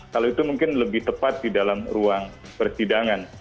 kalau itu mungkin lebih tepat di dalam ruang persidangan